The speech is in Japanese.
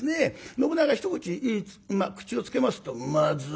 信長が一口まあ口をつけますと「まずい。